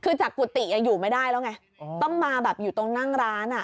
คือจากกุฏิอยู่ไม่ได้แล้วไงต้องมาแบบอยู่ตรงนั่งร้านอ่ะ